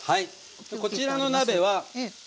でこちらの鍋は。